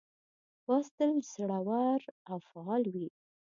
باز تل زړور او فعال وي